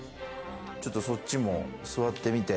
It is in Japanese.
ちょっとそっちも座ってみて。